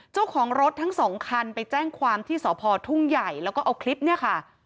เจ้าของรถทั้งสองคันไปแจ้งความที่สพทุ่งใหญ่แล้วก็เอาคลิปเนี่ยค่ะ